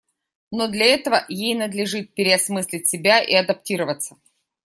Но для этого ей надлежит переосмыслить себя и адаптироваться.